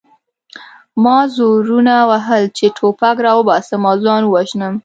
ما زورونه وهل چې ټوپک راوباسم او ځان ووژنم